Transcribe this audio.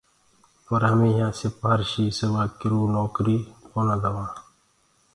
پر همي يهآنٚ سِپهارشي سِوا ڪِرو نوڪريٚ ڪونآ دوآنٚ۔